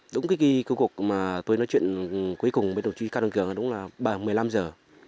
đúng cái ký cơ cuộc mà tôi nói chuyện cuối cùng với đồng chí cao đăng cường là đúng là bằng một mươi năm giờ